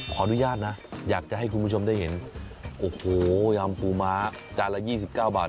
ขออนุญาตนะอยากจะให้คุณผู้ชมได้เห็นโอ้โหยำปูม้าจานละ๒๙บาท